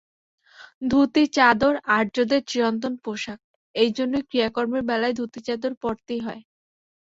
ধুতি-চাদর আর্যদের চিরন্তন পোষাক, এইজন্যই ক্রিয়াকর্মের বেলায় ধুতি-চাদর পরতেই হয়।